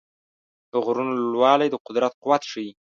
د غرونو لوړوالي د قدرت قوت ښيي.